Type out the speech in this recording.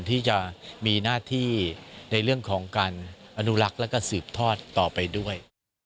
ที่จะมีหน้าที่ในเรื่องของการอนุรักษ์แล้วก็สืบทอดต่อไปด้วย